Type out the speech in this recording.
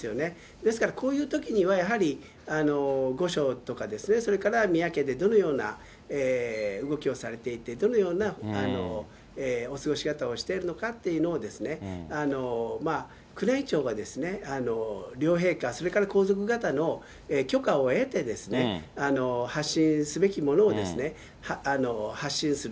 ですからこういうときにはやはり御所とかですね、それから宮家でどのような動きをされていて、どのようなお過ごし方をしているのかっていうのをですね、宮内庁が両陛下、それから皇族方の許可を得てですね、発信すべきものを発信する。